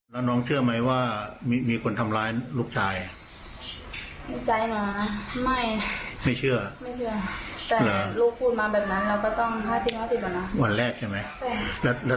ไม่เชื่อใช่ไหมว่า